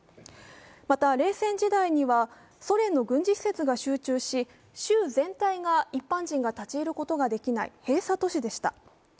また冷戦時代にはソ連の軍事施設が集中し州全体が一般人が立ち入ることができない閉鎖都市でした。